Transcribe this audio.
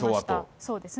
そうですね。